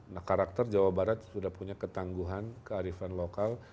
nah karakter jawa barat sudah punya ketangguhan kearifan lokal